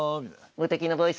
「無敵のボイス」